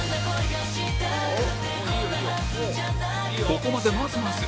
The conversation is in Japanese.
ここまでまずまず